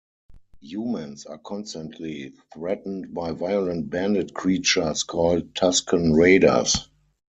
Humans are constantly threatened by violent bandit creatures called Tusken Raiders.